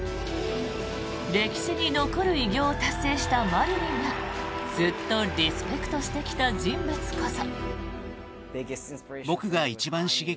歴史に残る偉業を達成したマリニンがずっとリスペクトしてきた人物こそ。